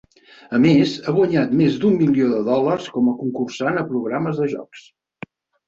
A més, ha guanyat més d'un milió de dòlars com a concursant a programes de jocs.